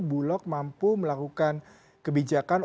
bulog mampu melakukan kebijakan